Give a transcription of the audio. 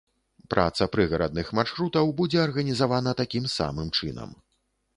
Праца прыгарадных маршрутаў будзе арганізавана такім самым чынам.